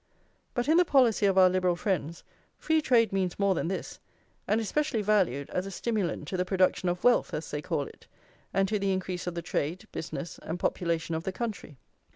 But in the policy of our Liberal friends free trade means more than this, and is specially valued as a stimulant to the production of wealth, as they call it, and to the increase of the trade, business, and population of the country.